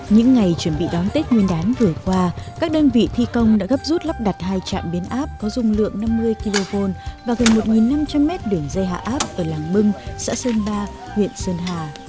những ngày chuẩn bị đón tết nguyên đán vừa qua các đơn vị thi công đã gấp rút lắp đặt hai trạm biến áp có dung lượng năm mươi kv và gần một năm trăm linh mét đường dây hạ áp ở làng bưng xã sơn ba huyện sơn hà